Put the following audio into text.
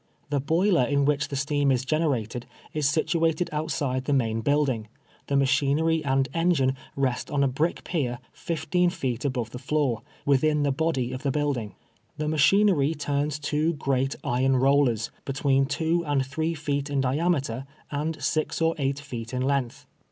The boiler in which the steam is generated is situated outside the main building ; the machinery and engine rest on a brick pier, fifteen feet above the floor, wuthin the body of the building. The machinery turns two great iron rollers, between two and three feet in diameter and six or eight feet in length.